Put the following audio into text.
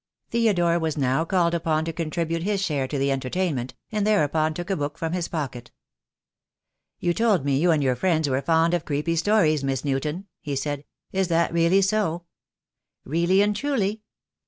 Theodore was now called upon to contribute his share to the entertainment, and thereupon took a book from his pocket. "You told me you and your friends were fond of creepy stories, Miss Newton," he said. "Is that really so?" "Really and truly."